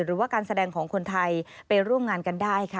หรือว่าการแสดงของคนไทยไปร่วมงานกันได้ค่ะ